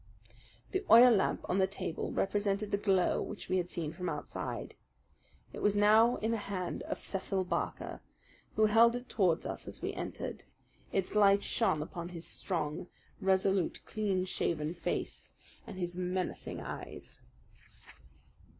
The oil lamp on the table represented the glow which we had seen from outside. It was now in the hand of Cecil Barker, who held it towards us as we entered. Its light shone upon his strong, resolute, clean shaved face and his menacing eyes.